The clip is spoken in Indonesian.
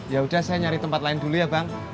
yaudah saya nyari tempat lain dulu ya bang